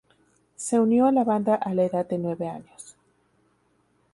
Se unió a la banda a la edad de nueve años.